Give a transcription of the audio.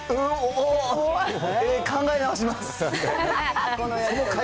おお、考え直します。